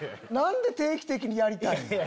何で定期的にやりたいん？